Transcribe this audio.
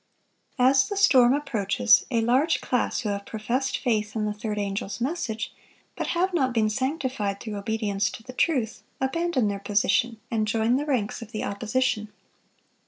As the storm approaches, a large class who have professed faith in the third angel's message, but have not been sanctified through obedience to the truth, abandon their position, and join the ranks of the opposition.